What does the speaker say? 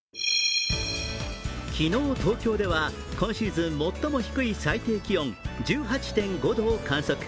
昨日、東京では今シーズン最も低い最低気温１８．５度を観測。